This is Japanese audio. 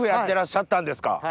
てらっしゃったんですか？